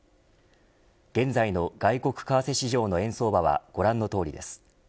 現在の外国為替市場の円相場はご覧のとおりです。